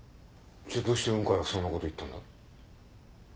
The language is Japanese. じゃあどうして雲海はそんなこと言ったんだ？